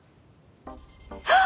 あっ！